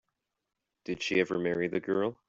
Did she ever marry the girl?